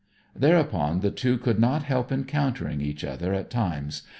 Thereupon the two could not help encountering each other at times.